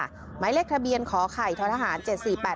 หมายเลขทะเบียนขอไข่ทหารเจ็ดสี่แปดนี้ค่ะ